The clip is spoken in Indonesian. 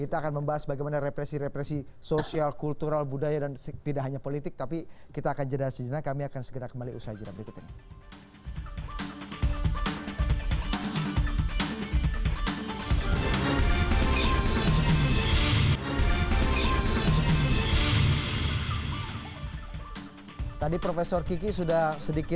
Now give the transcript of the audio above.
kita akan membahas bagaimana represi represi sosial kultural budaya dan tidak hanya politik tapi kita akan jenah jenah kami akan segera kembali usaha jenam berikut ini